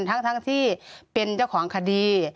ทั้งที่เป็นเจ้าของคดี